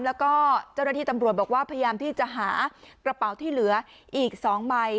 แล้วก็เจ้าหน้าที่ตำรวจบอกว่าพยายามที่จะหากระเป๋าที่เหลืออีก๒ใบ